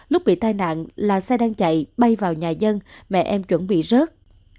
lúc bị tai nạn là xe đang chạy bay vào nhà dân mẹ em chuẩn bị rớt